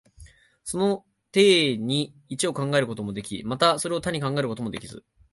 その底に一を考えることもできず、また多を考えることもできず、